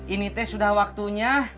ini teh sudah waktunya